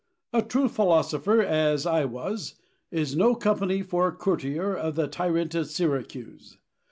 A true philosopher as I was, is no company for a courtier of the tyrant of Syracuse.